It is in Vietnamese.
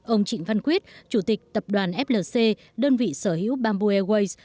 ông trịnh văn quyết chủ tịch tập đoàn flc đơn vị sở hữu bamboo airways